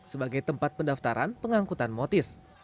sebagai tempat pendaftaran pengangkutan motis